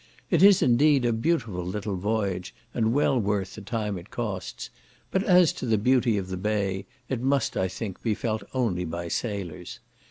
It is indeed a beautiful little voyage, and well worth the time it costs; but as to the beauty of the bay, it must, I think, be felt only by sailors.